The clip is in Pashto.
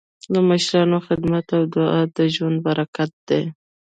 د مشرانو خدمت او دعا د ژوند برکت دی.